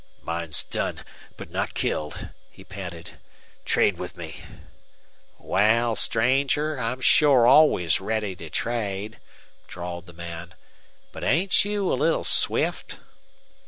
"Mine's done but not killed," he panted. "Trade with me." "Wal, stranger, I'm shore always ready to trade," drawled the man. "But ain't you a little swift?"